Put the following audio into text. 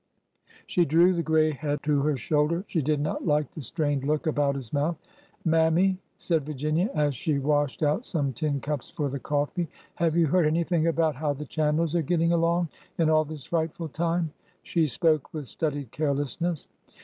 She drew the gray head to her shoulder. She did not like the strained look about his mouth. " Mammy," said Virginia, as she washed out some tin cups for the coffee, " have you heard anything about how the Chandlers are getting along in all this frightful time? " She spoke with studied carelessness.